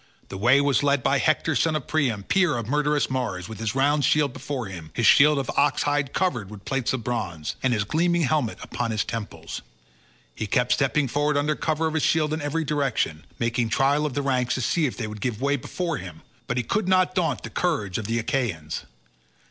The way was led by Hector son of Priam, peer of murderous Mars, with his round shield before him—his shield of ox hides covered with plates of bronze—and his gleaming helmet upon his temples. He kept stepping forward under cover of his shield in every direction, making trial of the ranks to see if they would give way before him, but he could not daunt the courage of the Achaeans.